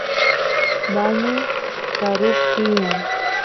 bañu karup tiyan